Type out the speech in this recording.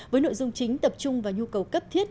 với nội dung chính tập trung vào nhu cầu cấp thiết